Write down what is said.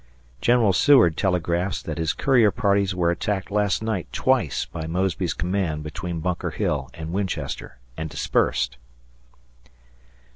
... General Seward telegraphs that his courier parties were attacked last night twice by Mosby's command between Bunker Hill and Winchester and dispersed.